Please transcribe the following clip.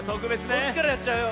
こっちからやっちゃうよ。